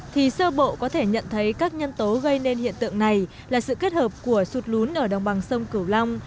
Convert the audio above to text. thì sơ bộ có thể nhận thấy các nhân tố gây nên hiện tượng này là sự kết hợp của sụt lún ở đồng bằng sông cửu long